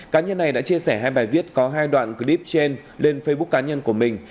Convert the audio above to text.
cá nhân này đã chia sẻ hai bài viết có hai đoạn clip trên lên facebook cá nhân của mình